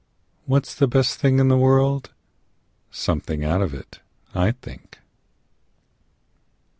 What's the best thing in the world? Something out of it, I think.